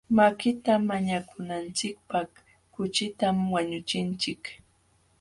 Makita mañakunachikpaq kuchitam wañuchinchik.